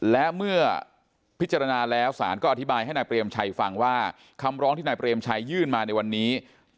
และเมื่อพิจารณาแล้วศาลก็อธิบายให้นายเปรมชัยฟังว่าคำร้องที่นายเปรมชัยยื่นมาในวันนี้